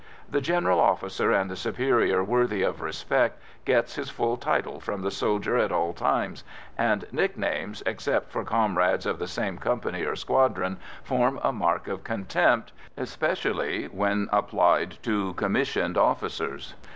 The general officer and the superior worthy of respect gets his full title from the soldier at all times, and nicknames, except for comrades of the same company or squadron, form a mark of contempt, especially when applied to commissioned officers.